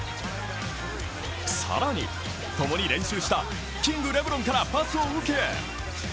更に、ともに練習したキング、レブロンからパスを受け